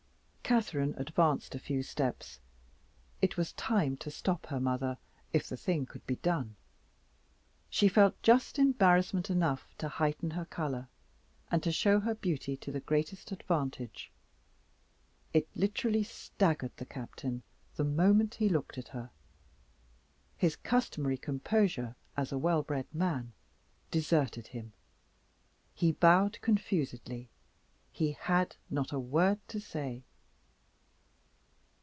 Catherine advanced a few steps; it was time to stop her mother, if the thing could be done. She felt just embarrassment enough to heighten her color, and to show her beauty to the greatest advantage. It literally staggered the Captain, the moment he looked at her. His customary composure, as a well bred man, deserted him; he bowed confusedly; he had not a word to say.